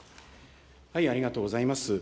ありがとうございます。